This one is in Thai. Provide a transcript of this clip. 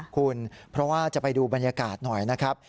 คุณเพราะว่าจะไปดูบรรยากาศหน่อยนะครับ